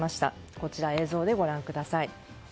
こちら、映像でご覧ください。